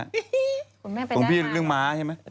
ของแม่ไปได้มากของพี่เรื่องม้าใช่ไหม